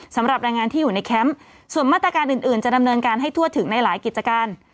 สำหรับแรงงานที่อยู่ในแคมป์ส่วนมาตรการอื่นจะดำเนินการให้ทั่วถึงในหลายกิจการ